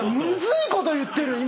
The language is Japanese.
いこと言ってる今！